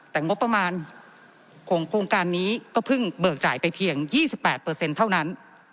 แต่งบประมาณของโครงการนี้ก็เพิ่งเบิกจ่ายไปเพียง๒๘เท่านั้น